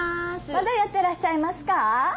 まだやってらっしゃいますか？